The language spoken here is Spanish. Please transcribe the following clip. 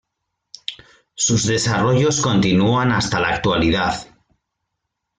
Sus desarrollos continúan hasta la actualidad.